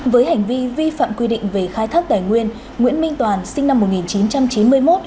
với hành vi vi phạm quy định về khai thác tài nguyên nguyễn minh toàn sinh năm một nghìn chín trăm chín mươi một